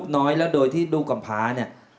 นี่เลย